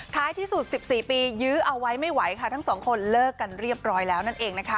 ที่สุด๑๔ปียื้อเอาไว้ไม่ไหวค่ะทั้งสองคนเลิกกันเรียบร้อยแล้วนั่นเองนะคะ